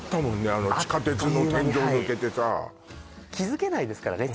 あの地下鉄の天井抜けてさ気づけないですからね